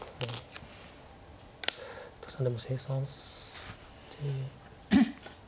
確かにでも清算して。